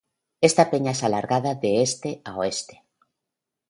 Esta peña es alargada de este a oeste.